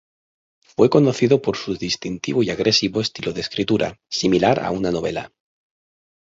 Fue conocido por su distintivo y agresivo estilo de escritura, similar a una novela.